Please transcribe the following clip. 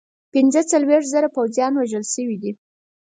پنځه څلوېښت زره پوځیان وژل شوي دي.